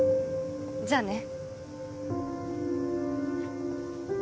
じゃあね。